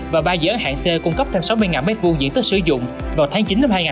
và ba dự án hạng c cung cấp thêm sáu mươi m hai diện tích sử dụng vào tháng chín năm hai nghìn hai mươi